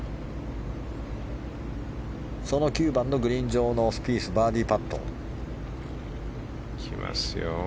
その９番のグリーン上のスピース、バーディーパット。